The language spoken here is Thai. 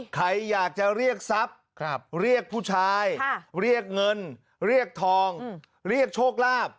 ใครอยากจะเรียกทรัพย์เรียกผู้ชายเรียกเงินเรียกทองเรียกโชคลาภ